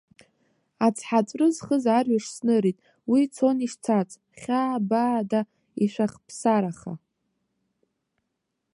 Ацҳаҵәры зхыз арҩаш снырит, уи цон ишцац, хьаабаада, ишәахԥсараха.